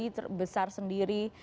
terlalu super body besar sendiri